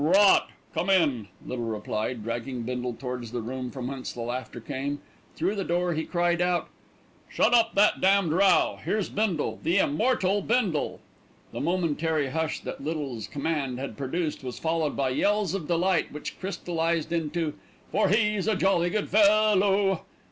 "Rot! Come in," Little replied, dragging Bindle towards the room from whence the laughter came. Through the door he cried out: "Shut up that damned row. Here's Bindle, the immortal Bindle." The momentary hush that Little's command had produced was followed by yells of delight which crystallised into, "For he's a Jolly Good Fellow!"